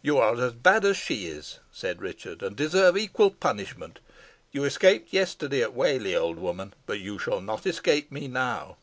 "You are as bad as she is," said Richard, "and deserve equal punishment. You escaped yesterday at Whalley, old woman, but you shall not escape me now."